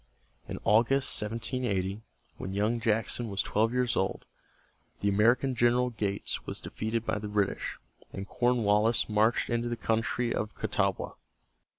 In August, 1780, when young Jackson was twelve years old, the American General Gates was defeated by the British, and Cornwallis marched into the country of the Catawba.